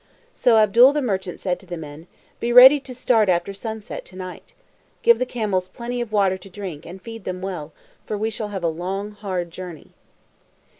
So Abdul the merchant said to the men, "Be ready to start after sunset to night. Give the camels plenty of water to drink, and feed them well, for we shall have a long, hard journey."